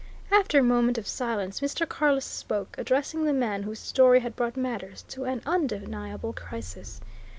After a moment of silence Mr. Carless spoke, addressing the man whose story had brought matters to an undeniable crisis.